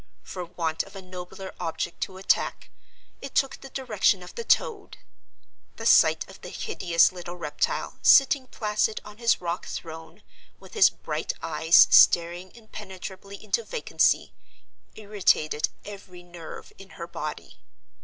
For want of a nobler object to attack, it took the direction of the toad. The sight of the hideous little reptile sitting placid on his rock throne, with his bright eyes staring impenetrably into vacancy, irritated every nerve in her body.